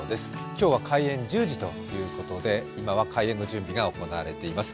今日は開園１０時ということで、今は開園の準備が行われています。